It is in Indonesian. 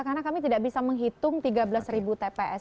karena kami tidak bisa menghitung tiga belas tps